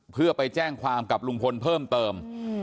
เพื่อไปแจ้งความกับลุงพลเพิ่มเติม